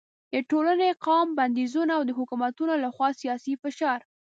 د ټولنې، قوم بندیزونه او د حکومتونو له خوا سیاسي فشار